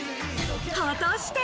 果たして。